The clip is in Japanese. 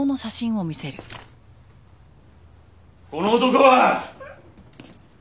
この男は？